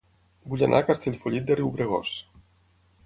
Vull anar a Castellfollit de Riubregós